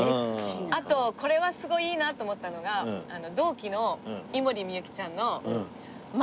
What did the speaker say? あとこれはすごいいいなと思ったのが同期の井森美幸ちゃんの。